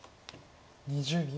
２０秒。